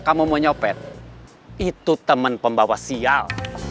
kamu mau nyopet itu temen pembawa sial